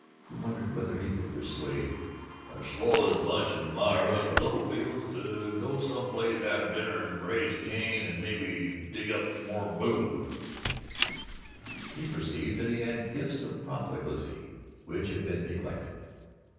He wondered whether he could persuade "as slow a bunch as Myra and the Littlefields to go some place aft' dinner and raise Cain and maybe dig up smore booze." He perceived that he had gifts of profligacy which had been neglected.